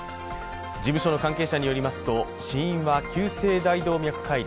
事務所の関係者によりますと死因は急性大動脈解離。